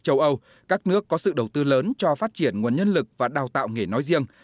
châu âu các nước có sự đầu tư lớn cho phát triển nguồn nhân lực và đào tạo nghề nói riêng